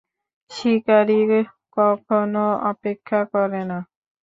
শিকারী কখনো অপেক্ষা করে না।